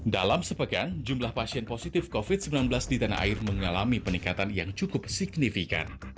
dalam sepekan jumlah pasien positif covid sembilan belas di tanah air mengalami peningkatan yang cukup signifikan